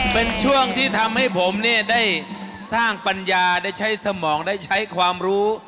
เป็นช่วงที่ทำให้ผมเนี่ยได้สร้างปัญญาได้ใช้สมองได้ใช้ความรู้